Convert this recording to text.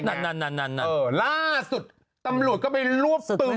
นัดสุดตำรวจก็ไปหลวบตึง